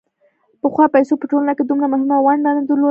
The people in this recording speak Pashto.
پخوا پیسو په ټولنه کې دومره مهمه ونډه نه درلوده